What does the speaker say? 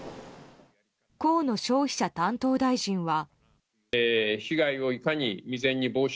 河野消費者担当大臣は。